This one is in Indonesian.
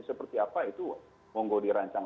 seperti apa itu monggo dirancang